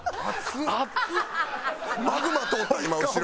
マグマ通った今後ろ。